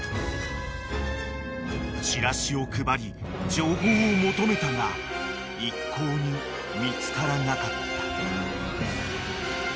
［チラシを配り情報を求めたが一向に見つからなかった］